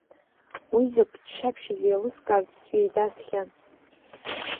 Уи закә ччаԥшьыз еилыскаартә сҩеидасхьан.